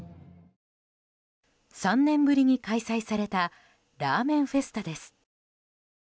３年ぶりに開催されたラーメンフェスタです。